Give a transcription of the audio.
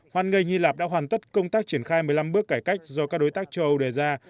hoan nghênh hy lạp đã hoàn tất công tác triển khai một mươi năm bước cải cách do các đối tác châu âu đề ra